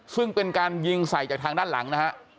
ซึ่งเป็นการยิงใส่จากทางด้านหลังนะฮะ